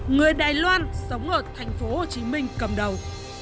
người đài loan sống ở tp hcm cầm đầu